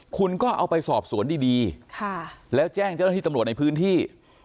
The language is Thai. คุณก็เอาไปสอบสวนดีแล้วแจ้งเจ้าหน้าที่ตำรวจในพื้นที่